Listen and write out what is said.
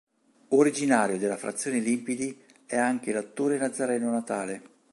Originario della frazione Limpidi è anche l'attore Nazzareno Natale.